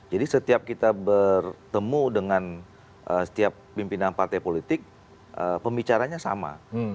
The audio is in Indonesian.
setiap kita bertemu dengan setiap pimpinan partai politik pembicaranya sama